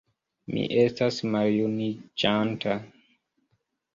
Mi estas maljuniĝanta.